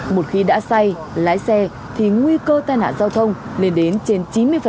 một khi đã say lái xe thì nguy cơ tai nạn giao thông lên đến trên chín mươi